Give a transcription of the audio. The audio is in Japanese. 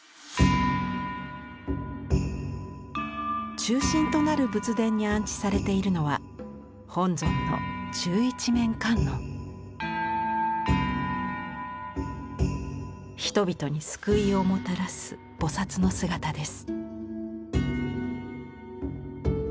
中心となる仏殿に安置されているのは本尊の人々に救いをもたらす菩薩の姿です。